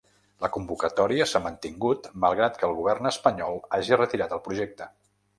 La convocatòria s’ha mantingut malgrat que el govern espanyol hagi retirat el projecte.